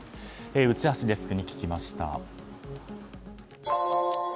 内橋デスクに聞きました。